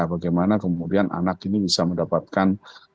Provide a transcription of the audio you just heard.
bagaimana kemudian anak ini bisa mendapatkan